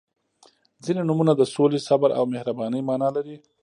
• ځینې نومونه د سولې، صبر او مهربانۍ معنا لري.